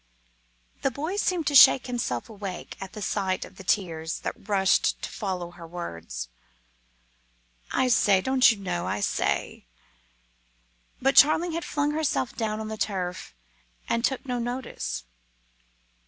The boy seemed to shake himself awake at the sight of the tears that rushed to follow her words. "I say, don't you know, I say;" but Charling had flung herself face down on the turf and took no notice.